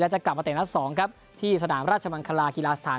และจะกลับมาแต่งรัฐสองครับที่สนามราชมันคลาฮิลาสถาน